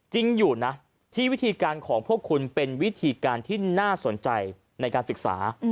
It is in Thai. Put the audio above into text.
จริงอยู่นะที่วิธีการของพวกคุณเป็นวิธีการที่น่าสนใจในการศึกษา